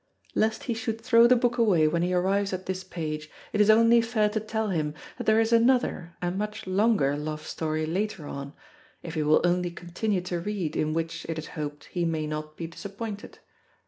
Lest he should throw the book away when he arrives at this page, it is only fair to tell him that there is another and much longer love story later on, if he will only continue to read, in which, it is hoped, he may not be disappointed."